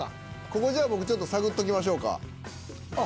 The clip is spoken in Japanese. ここじゃあ僕ちょっと探っときましょうか。